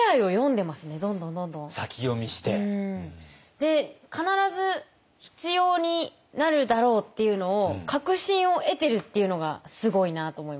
で必ず必要になるだろうっていうのを確信を得てるっていうのがすごいなと思いました。